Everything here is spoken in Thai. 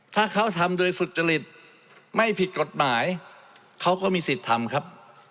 ถ้าเขาทำโดยสุจริตไม่ผิดกฎหมายเขาก็มีสิทธิ์ทำครับ